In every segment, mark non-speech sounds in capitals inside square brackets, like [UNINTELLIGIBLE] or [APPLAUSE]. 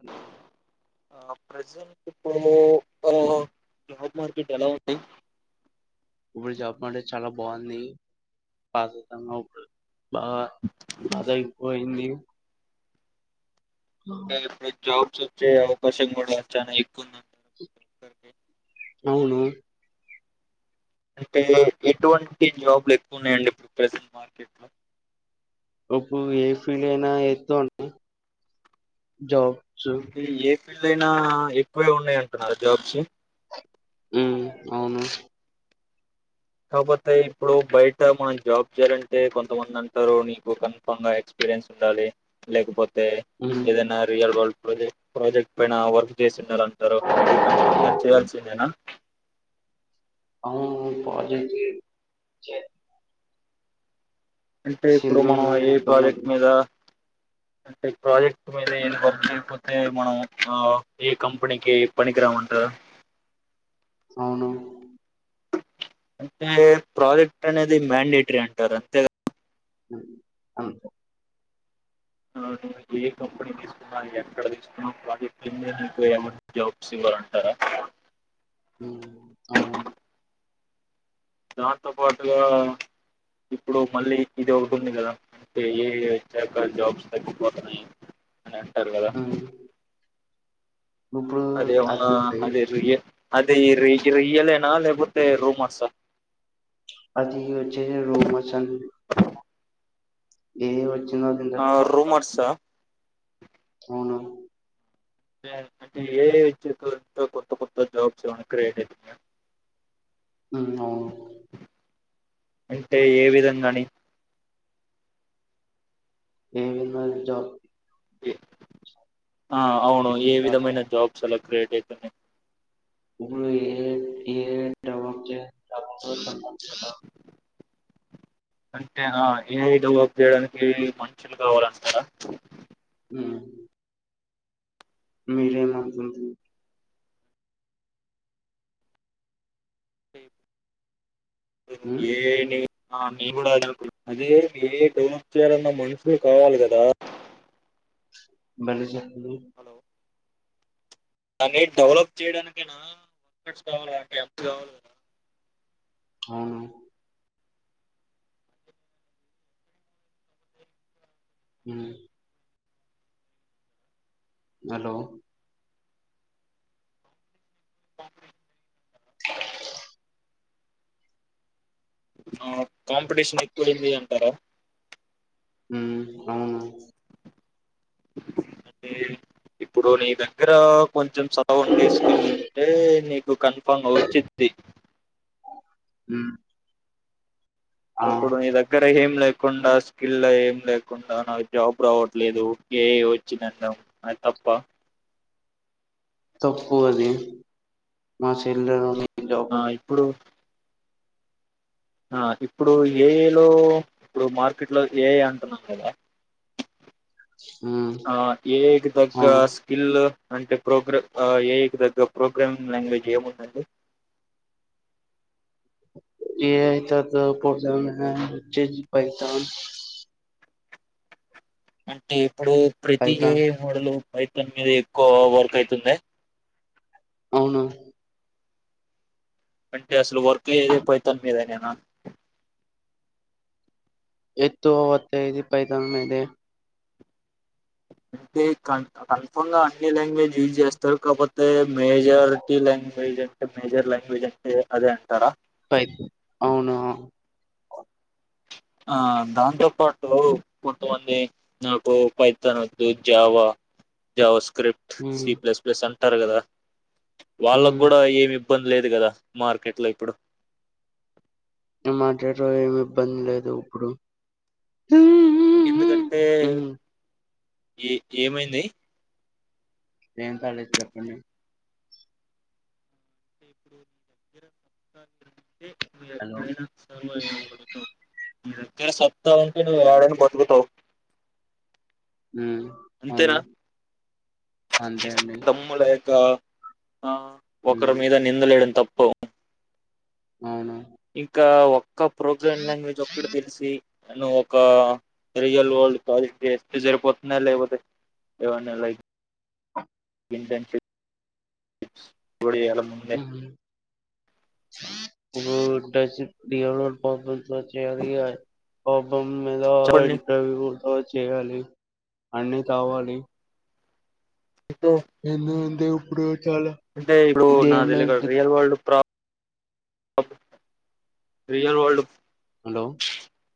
Hello ఆ present ఇప్పుడూ ఆ జాబ్ మార్కెట్ ఎలా ఉంది ఇప్పుడు జాబ్ అంటే చాలా బాగుంది బధతంగా ఇప్పుడు బాగా బాధ అయిపోయింది ప్పు చెప్ జాబ్ చేయ్ వచ్చే అవకాశం కూడా చానా ఎక్కువ ఉంది అవును అంటే ఎటువంటి జాబ్లు ఎక్కువన్నాయండి ఇప్పుడు ప్రజెంట్ మార్కెట్ లో ఇప్పుడు ఏ ఫీల్డ్ అయినా ఎస్తన్నా జాబ్ ఇది ఏ ఫిల్లు అయినా ఎక్కువే ఉన్నాయి అంటున్నారు జాబ్స్ మ్మ్ అవును కాకపోతే ఇప్పుడు బయట మనం జాబ్ చేయాలంటే కొంతమంది అంటారు నీకు కన్ఫా ఎక్స్పీరియన్స్ ఉండాలి లేకపోతే ఉమ్ తే ఎదనా రియల్ వాల్డ్ ప్రజెక్ ప్రాజెక్ట్ పైన వర్క్ చేసిండార అంటారు అది కన్ఫామ్ చేయాల్సిందేనా అవును పజతే చే అంటే ఇప్పుడు మనం ఉందని ఏ ప్రాజెక్ట్ అర్థమవుతుంది మీద అంటే ప్రాజెక్ట్స్ మీద ఏ వర్క్ చేయకపోతే మనం ఆ ఏ కంపెనీకి పనికిరామంటారు అవును అంటే ప్రాజెక్ట్ అనేది మ్యాండేటరీ అంటారు అంతేగా మ్మ్ అవున్ స ఏ కంపెనీ తీసుకున్నా ఎక్కడ తీసుకున్నా ప్రాజెక్ట్ంది నాకు ఏమ జాబ్స్ ఇవ్వరుంటారా మ్మ్ అవును దాంతో పాటుగా ఇప్పుడు మళ్ళీ ఇది ఒకటింది కదా అంటే ఏ చ జాబ్స్ తగ్గిపోతున్నాయి అని అంటారు కదా ఉమ్ ఇప్పుడు అదే అవున్న అది అదే రుయ అదే ఇ ర ఇ ఇయలేనా అ లే మతే రూ మసా అది వచ్చ రోమసన్ ఏ వచ్చ చి త ఆ చత్ర రూమర్సా అవున అంటే ఏ ఐ వచ్చాక కొత్త కొత్త జాబ్స్ ఎమన్నా క్రియేట్ అయితున్నాయా ఉ అవును అంటే ఏ విధంగా అని ఏవన్న జాబ్ ఏ ఆ అవును ఇప్పుడు ఏ చాలా విధమైన జాబ్స్ అల రేట్ అయితేనే [UNINTELLIGIBLE] అంటే ఆ ఏ ఐ డెవలప్ చేయడానికి మనుషులు కావాలంటారా ఉ మీరేమంటారు ఉమ్ ఏఐ ని ఆ మీ కూడా అదే అనుకున్నాం అదే ఏ ఐ డెవలప్ చేయాలన్న మనుషులు కావాలి కదా వేలజ మ్ అని డెవలప్ చేయడానికైనా వర్కర్స్ కావాలి కదా క్యాప్స్ కావాలి కదా అవును హమ్ హలో [UNINTELLIGIBLE] ఆ కాంపిటీషన్ ఎక్కువైంది అంటరా ఉ అవునా అంటే ఇప్పుడు నీ దగ్గర కొంచెం చదువు ఉండి స్కిల్ ఉంటే నీ కన్ఫర్మ్ గా వచ్చిద్ది ఉమ్ ఆ ఇప్పుడు నీ దగ్గర ఏమి ఏం లేకుండా స్కిల్ ఏం లేకుండా నాకు జాబ్ రావట్లేదు ఏఐ వచ్చింది అనడం అది తప్ప తప్పు అది మా చెల్ల ఆ ఇప్పుడు ఆ ఇప్పుడు ఏఐ లో ఇప్పుడు మార్కెట్ లో ఏఐ అంటున్నాం కదా ఉమ్ ఆ ఏఐ తగ్గ అవును స్కిల్ అంటే ప్రోగ్రా ఏఐ తగ్గ ప్రోగ్రామింగ్ లాంగ్వేజ్ ఏముందండి ఏఐ తగ్గ ప్రోగ్రాం లాంగ్వేజ్ వచ్చేసి పైథాన్ అంటే ఇప్పుడు ప్రతిది పైథాన్ ఏఐ మోడల్ పైథాన్ మీద ఎక్కువ వర్క్ అయితుంద అవును అంటే అసలు వర్క్ ఏఐ పైథాన్ మీదనేనా ఎక్కువ వర్క్ అయ్యేది పైథాన్ మీదే అంటే కన్ కన్ఫంగా అన్ని లాంగ్వేజ్ డీల్ చేస్తారు కాపో తే మెజారిటీ లాంగ్వేజె మేజర్ లాంగ్వేజ్ అంటే అదంటారా పై అవును ఆ దాంతో పాటు కొంతమంది నాకు పైతాన్ వద్దు జావ జావస్ స్క్రిప్ట్ ఉమ్ సి ప్లస్ ప్లస్ అన్ టారు కదా వాళ్ళకు ఉమ్ కూడా ఏవి ఇబ్బంది లేదు కదా మార్కెట్ లో ఇప్పుడు మార్కెట్లో ఏమి ఇబ్బంది లేదు ఇప్పుడు హ్మ్ ఎందుకంటే ఏ ఏమైంది ఏం కాలేదు చెప్పండి ఫరిర మీ హలో ఎక్కడైనా [INAUDIBLE] కే సత్తా ఉంటే నువ్వు ఏడని బతుకుతావు మ్మ్షఅవును అంతేనా నీ అంతే అండి దగ్గర దమ్ము లేక ఆ ఒకరి హ్మ్ మీద నిందలేయడం తప్ పో అవును ఇంకా ఒ క్క ప్రోగ్రామ్ లాంగ్వేజ్ ఒక్కటి తెలిసి ను ఒక రియల్ వరల్డ్ ప్రాజెక్ట్ చేస్తు చేయపోతున్నా లేకపోతే ఏవన్నా లైక్ [UNINTELLIGIBLE] [UNINTELLIGIBLE] [UNINTELLIGIBLE] లో చెయ్యాలిగ గౌతమ్ మద చెప్పండి ఇంటర్వ్యూ చేయాలి అన్నీ కావాలి ఎన్ను దు ఇప్పుడు చాలా టే ఇప్పుడు నా దేని మీద తెలియక [UNINTELLIGIBLE] ది- రియల్ వరల్డ్ ప్ర రిజర్వుడ్ హలో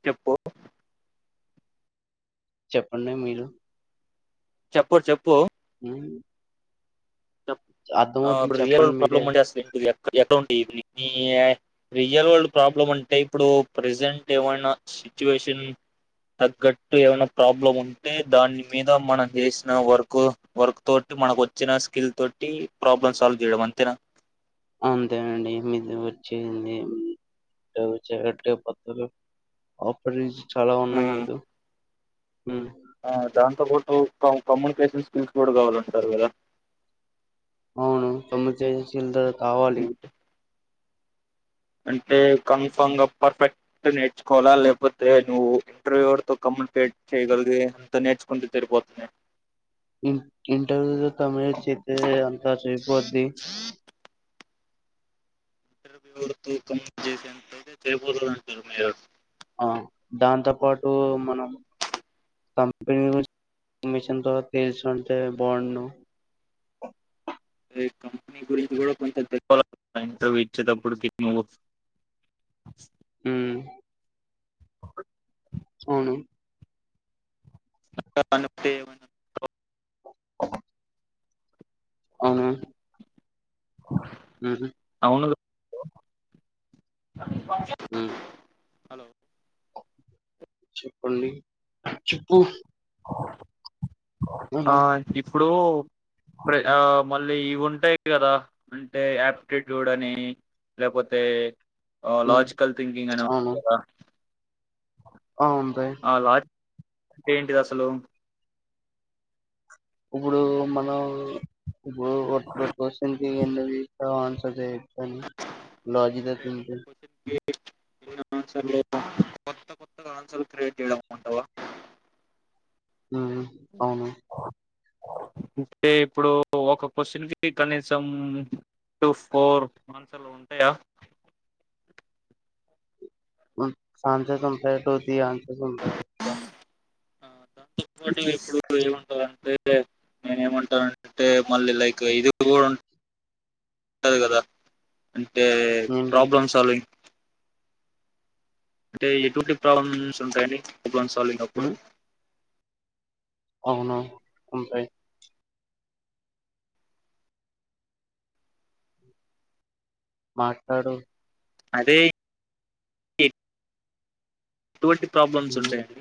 చెప్పు చెప్పండి మీరు చెప్పు చెప్పు హ్ చెప్ ఆ ఇప్పుడు రియల్ చెప్పండి మీరే ప్రాబ్లమ్ంటె అస్సలు ఏంటిది అప్ ఎక్కడూంటె ఈవి [UNINTELLIGIBLE] రియల్ వరల్డ్ ప్రాబ్లం అంటే ఇప్పుడు ప్రజెంట్ ఏమైనా సిచ్యువేషన్ తగ్గట్టు ఏమైనా ప్రాబ్లం ఉంటే దాని మీద మనం చేసిన వర్క్ వర్క్ తోటి మనకు వచ్చిన స్కిల్ తోటి ప్రాబ్లమ్ సాల్వ్ చేయడం. అంతేనా అంతేనండిది. మీది వర్క్ చేయండి. [UNINTELLIGIBLE] ఆపరేషన్ చాలా ఉన్నాయి ఉమ్. మీరు హ్ ఆ దాంతో పాటు క కమ్యూనికేషన్ స్కిల్స్ కూడా కావాలంటున్నరు గాదా అవును [UNINTELLIGIBLE] కావాలి అంటే కన్ఫామ్ గా పర్ఫెక్ట్ నేర్చుకోవాలా లేకపోతే నువ్వు ఇంటర్వ్యూతో కమ్యూనికేట్ చేయగలిగే అంత నేర్చుకుంటే తరిపోతుంద ఇంటర్వ్యూలో కమ్యూనికేట్ చెత్తే అంతా సరిపోద్ది. ఇంటర్వ్యూతో కమ్యూనికేట్ చెత్తే సరిపోతది. అంటున్నారు మీరు ఆ దాంతో పాటు మనం కంపెనీ ఇన్ఫ ర్మేషన్ తెలిసుంటే బాగుండును. కంపేనీ గురించి కూడా కొంచెం తెల్వల ఇంటర్వ్యూ ఇచ్చేటప్పుడుకి [UNINTELLIGIBLE] ఉమ్ అవును [UNINTELLIGIBLE] అవున హ్ హు హలో ఉమ్ హలో చెప్పండి అ చెప్పు ఆ అవును ఇప్ ఇప్పుడు ఆ మళ్ళీ ఇవి ఉంటాయి కదా అంటే ఆయాప్టిట్యూడ్ అని లేకపోతే ఆ ఉమ్ లాజికల్ థింకింగ్ అనే ఉంది కాదా అ ఉంటాయి లాజిక్ ఏంటిది అసలు ఇప్పుడు మనం అంటే ఒక [UNINTELLIGIBLE] [UNINTELLIGIBLE] [UNINTELLIGIBLE] కొత్త కొత్తగా ఆన్సర్ క్రియేట్ చేయడం ఉంటావా హ్ అవును అంటే ఇప్పుడు ఒక క్వశ్చన్కి కనీసం టూ ఫోర్ ఆన్సర్లు ఉంటాయా. [UNINTELLIGIBLE] [UNINTELLIGIBLE] ఆ దాంతోపాటు ఇప్పుడు ఏమంటారంటే నేను ఏమంటానంటే మళ్ళీ లైక్ ఇది కూడా ఉ ఉంటంది కదా తే ఏంటి ప్రాబ్లమ్ సాల్వింగ్ అంటే ఎటువంటి ప్రాబ్లమ్స్ ఉంటాయి అండి. అన్ సాలింగ్ అప్పుడు ఉమ్ అవును ఉంటాయి మాట్లాడు అదే ఎటువంటి ప్రాబ్లమ్స్ ఉమ్ ఉంటాయండి.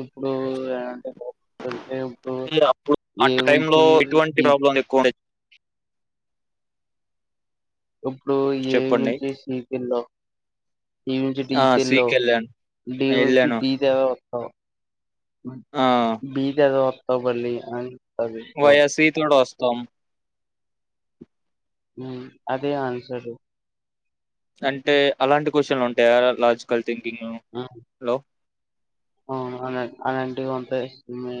ఇప్పుడు అంటే అంటే ఇప్పుడు అంటే అప్పుడు ఏ అటు టైమ్ లో నుంచి ఎటువంటి సి ప్రాబ్లం ఎక్కువ ఉండవి ఇప్పుడు ఏ చెప్పండి నుంచి సి కెళ్ళు ఈ నుంచి డి ఆ కెళ్ళు సీకి వెళ్ళాను డి నుంచి వెళ్ళాను బీ కావ్ ఆ హు ఆ బీ దగ్గ అబర్లి అనీ వయ సీ తోడు వస్తాం. హు అదే ఆన్సర్ అంటే అలాంటి క్వశ్చన్లు ఉంటాయా లాజికల్ థింకింగ్‌లో? ఆ అవును అన ఉంటాయి మే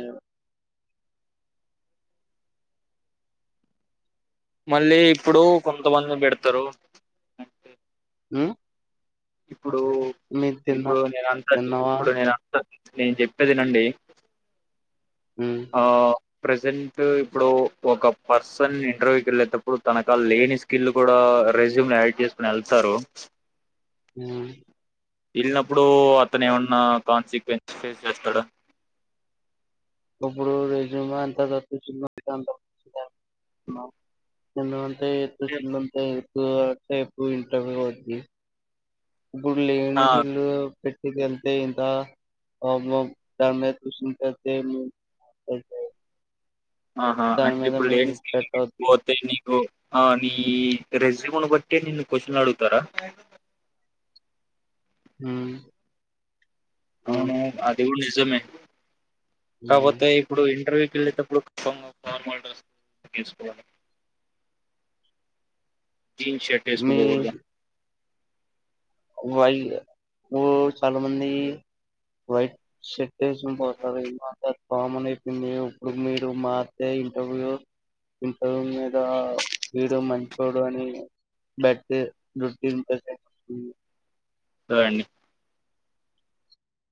మళ్ళీ ఇప్పుడు కొంతమందిని పెడతారు ఉ ఇప్పుడు ఇప్పుడు నేను అంటాది తిన్నావా ఇప్పుడు నేను అంటాను నేను చెప్పేదినండి. ఉమ్ ఆ ప్రజెంట్ ఇప్పుడు ఒక పర్సన్ ఇంటర్వ్యూకి వెళ్ళేటప్పుడు తనకాడ లేని స్కిల్ కూడా రెజ్యూమ్ లో యాడ్ చేసుకుని వెళ్తారు. ఉ వెళ్ళినప్పుడు అతను ఏమన్నా కాన్సిక్వెన్స్ ఫేస్ చేస్తాడు ఇప్పుడు రెజ్యూమ్ లో అంత తప్పించుకున్న చిన్న అ [UNINTELLIGIBLE] [UNINTELLIGIBLE] రేపు ఇంటర్వ్యూ ఉంది. ఇప్పుడు ఆ! లేని చెల్లు పెట్ [UNINTELLIGIBLE] ఆహా అంటే ఇప్పుడు లేని స్కిల్ ఏం పెట్టవద్దు పోతే నీకు ఆ మీ రెజ్యూమ్ను బట్టి నిన్ను క్వశ్చన్ అడుగుతారా మ్మ్ అవును అది కూడా నిజమ్ జమే ఉమ్, కాకపోతే ఇప్పుడు ఇంటర్వ్యూ వెళ్ళేటప్పుడు కచ్చితంగా ఫార్మల్ డ్రస్ తీసుకోవాల జీన్స్ షర్ట్ ఏసుకొని మీ పోకూడద వైల్డ్ మ్మ్ చాలా మంది వైట్ షర్ట్ వేసుకొని పోతారు మా కామన్ అయిపోంది ఇప్పుడు మీరు మార్తే ఇంటర్వ్యూ ఇంటర్వ్యూ మీద వీడు మంచోడు అని [INAUDIBLE] కదండి